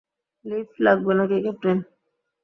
Lift লাগবে নাকি, captain.